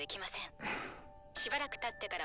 しばらくたってから」。